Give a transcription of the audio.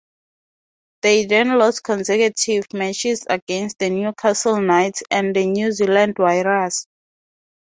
They then lost consecutive matches against the Newcastle Knights and the New Zealand Warriors.